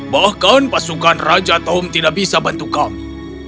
bahkan pasukan raja tom tidak bisa bantu kami